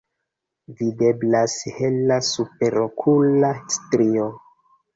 Videblas hela superokula strio.